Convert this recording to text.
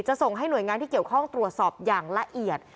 ส่งให้หน่วยงานที่เกี่ยวข้องตรวจสอบอย่างละเอียด